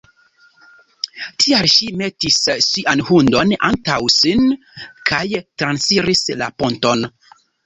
Tial ŝi metis sian hundon antaŭ sin kaj transiris la ponton.